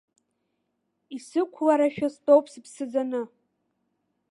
Исықәларашәа стәоуп сыԥсы ӡаны.